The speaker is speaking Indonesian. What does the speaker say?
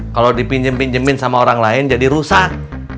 kalau dipinjem pinjemin sama orang lain jadi rusak